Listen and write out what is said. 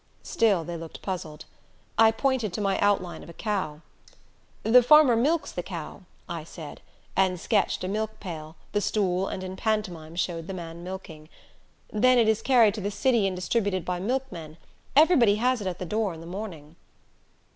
Still they looked puzzled. I pointed to my outline of a cow. "The farmer milks the cow," I said, and sketched a milk pail, the stool, and in pantomime showed the man milking. "Then it is carried to the city and distributed by milkmen everybody has it at the door in the morning."